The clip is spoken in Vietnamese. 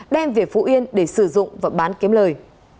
đem về phú yên để sử dụng và bán kiếm lời